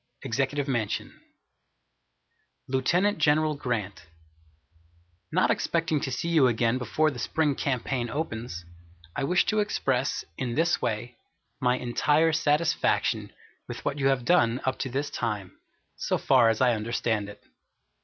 Executive Mansion, Lieutenant General Grant, Not expecting to see you again before the spring campaign opens, I wish to express, in this way, my entire satisfaction with what you have done up to this time, so far as I understand it.